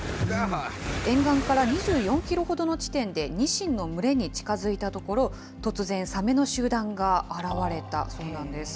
沿岸から２４キロほどの地点でニシンの群れに近づいたところ、突然、サメの集団が現れたそうなんです。